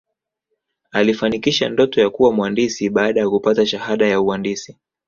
aliifanikisha ndoto ya kuwa mwandisi baada ya kupata shahada ya uandisi